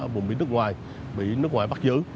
bùng bị nước ngoài bị nước ngoài bắt giữ